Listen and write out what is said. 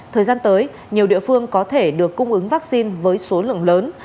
thời gian tới nhiều địa phương có thể được cung ứng vaccine với số lượng lớn